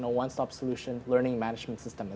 dalam sistem pengurusan pembelajaran solusi yang satu satunya